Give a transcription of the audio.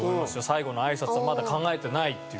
最後の挨拶はまだ考えてないっていう。